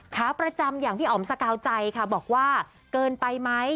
ขาประจำอย่างพี่อ๋อมสกาวใจค่ะบอกว่าเกินไปไหม